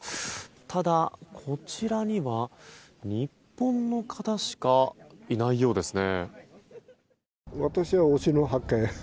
ただ、こちらには日本の方しかいないようですね。